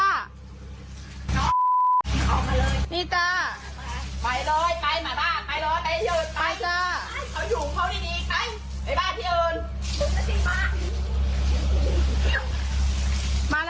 เอามาเลยนี่จ้ะไปเลยไปมาบ้านไปแล้วไปยืนไปจ้ะ